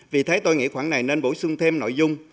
vì thế tôi nghĩ khoảng này nên bổ sung thêm nội dung